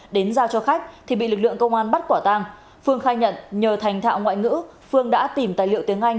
đến giao cho khách thì bị lực lượng công an bắt quả tang phương khai nhận nhờ thành thạo ngoại ngữ phương đã tìm tài liệu tiếng anh